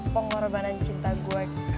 pengorbanan cinta gue ke